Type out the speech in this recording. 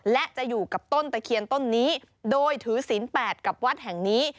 และจะอยู่กับต้นตะเคียนต้นนี้โดยถือศีลแปดกับวัดแห่งนี้